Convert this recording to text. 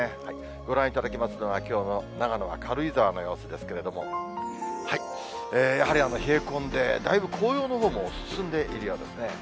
ご覧いただきますのは、きょうの長野は軽井沢の様子ですけれども、やはり冷え込んで、だいぶ紅葉のほうも進んでいるようですね。